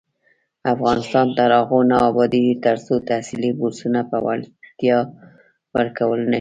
افغانستان تر هغو نه ابادیږي، ترڅو تحصیلي بورسونه په وړتیا ورکړل نشي.